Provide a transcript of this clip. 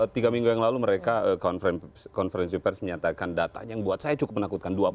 tiga minggu yang lalu mereka konferensi pers menyatakan data yang buat saya cukup menakutkan